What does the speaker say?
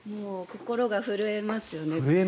心が震えますよね。